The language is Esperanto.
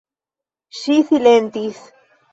Ŝi silentis.